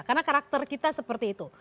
karena karakter kita seperti itu